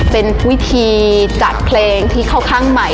เป็นวิธีจัดเพลงที่ค่าใหม่